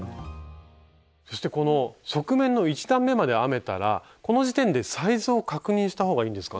そしてこの側面の１段めまで編めたらこの時点でサイズを確認した方がいいんですか？